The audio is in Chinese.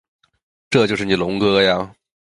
这就是你龙哥呀